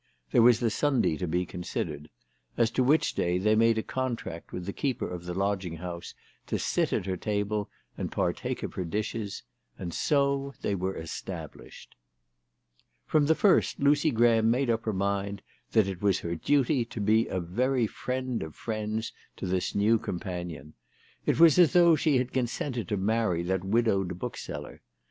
There was the Sunday to be considered, as to which day they made a contract with the keeper of the lodging house to sit at her table and partake of her dishes. And so they were established. From the first Lucy Graham made up her mind that it was her duty to be a very friend of friends to this new companion. It was as though she had consented to marry that widowed bookseller.